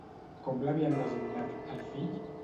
Com l'havien designat, al fill?